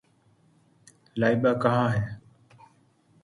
لائبہ کہاں ہے؟